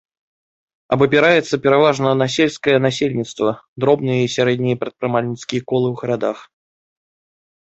Абапіраецца пераважна на сельскае насельніцтва, дробныя і сярэднія прадпрымальніцкія колы ў гарадах.